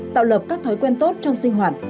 tạo lập các thói quen tốt trong sinh hoạt